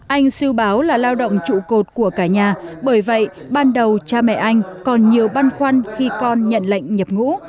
anh siêu báo là lao động trụ cột của cả nhà bởi vậy ban đầu cha mẹ anh còn nhiều băn khoăn khi con nhận lệnh nhập ngũ